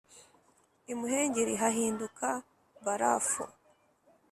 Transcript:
imuhengeri hahinduka barafu